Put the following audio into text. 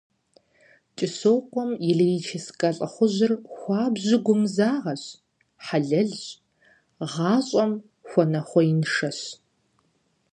КӀыщокъуэм и лирическэ лӀыхъужьыр хуабжьу гумызагъэщ, хьэлэлщ, гъащӀэм хуэнэхъуеиншэщ.